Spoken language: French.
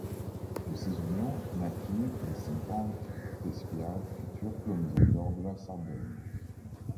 De ces unions naquirent les cinquante Thespiades, futurs colonisateurs de la Sardaigne.